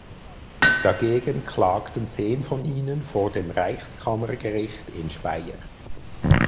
Dagegen klagten zehn von ihnen vor dem Reichskammergericht in Speyer.